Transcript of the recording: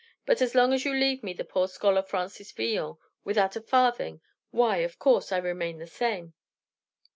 But as long as you leave me the poor scholar Francis Villon, without a farthing, why, of course, I remain the same."